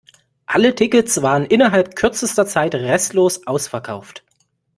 Alle Tickets waren innerhalb kürzester Zeit restlos ausverkauft.